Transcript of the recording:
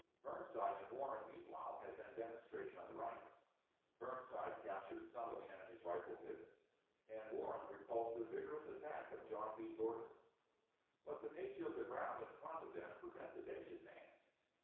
Burnside and Warren meanwhile had been demon strating on the right ; Burnside captured some of the enemy's rifle pits, and Warren repulsed a \dgor ous attack of John B. Gordon ; but the nature of the ground in front of them prevented any advance.